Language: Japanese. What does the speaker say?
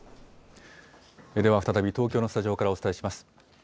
では再び東京のスタジオからお伝えします。